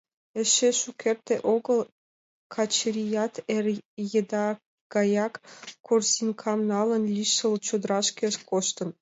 Эше шукерте огыл Качырият, эр еда гаяк корзинкам налын, лишыл чодрашке коштын.